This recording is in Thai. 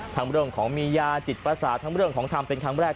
เรื่องของมียาจิตประสาททั้งเรื่องของทำเป็นครั้งแรก